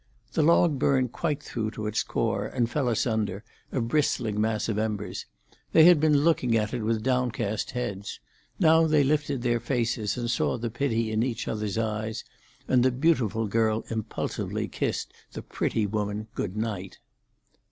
The log burned quite through to its core, and fell asunder, a bristling mass of embers. They had been looking at it with downcast heads. Now they lifted their faces, and saw the pity in each other's eyes, and the beautiful girl impulsively kissed the pretty woman good night.